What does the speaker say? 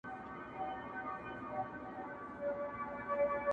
پر کهاله باندي یې زېری د اجل سي!